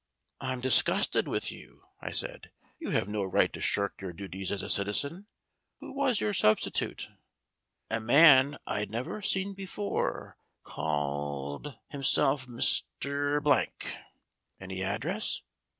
"I'm disgusted with you," I said. "You have no right to shirk your duties as a citizen. Who was your substitute ?" "A man I'd never seen before called himself Mr. Blank." "Any address